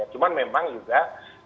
cuman memang juga